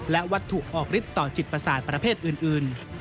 และวัตถุออกฤทธิต่อจิตประสาทประเภทอื่น